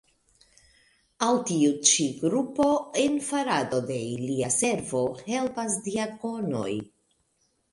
Al tiu ĉi grupo en farado de ilia servo helpas diakonoj.